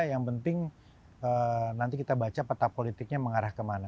yang penting nanti kita baca peta politiknya mengarah kemana